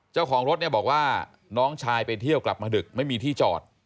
เจ้าของรถเนี่ยบอกว่าน้องชายไปเที่ยวกลับมาดึกไม่มีที่จอด